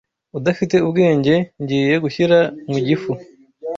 udafite ubwenge ngiye gushyira mu gifu?